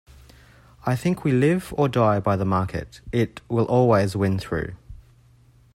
I think we live or die by the market, it will always win through.